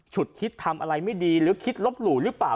ฉุดคิดทำอะไรไม่ดีหรือคิดลบหลู่หรือเปล่า